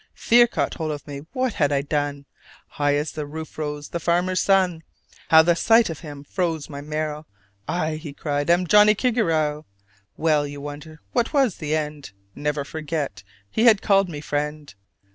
Fear caught hold of me: what had I done? High as the roof rose the farmer's son: How the sight of him froze my marrow! "I," he cried, "am Johnnie Kigarrow!" Well, you wonder, what was the end? Never forget; he had called me "friend"!